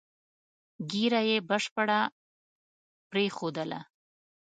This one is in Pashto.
ږیره یې بشپړه پرېښودله.